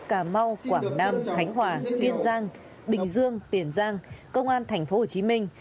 cà mau quảng nam khánh hòa kiên giang bình dương tiền giang công an thành phố hồ chí minh